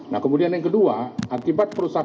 nah kemudian yang kedua akibat perusahaan